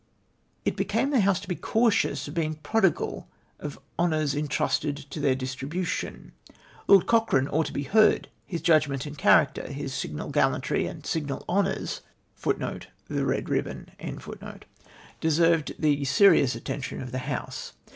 " It became the House to be cautious of being prodigal of honours entrusted to their distribution. Lord Cochrane ought to be heard ; his judgment and character, his signal gallantry and signal honours* deserved the serious attention of the House.